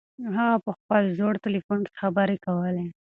هغه په خپل زوړ تلیفون کې خبرې کولې.